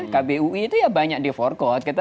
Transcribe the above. kbui itu ya banyak di forkot